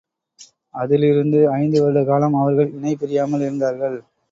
அதிலிருந்து ஐந்து வருடகாலம் அவர்கள் இனைபிரியாமல் இருந்தார்கள்.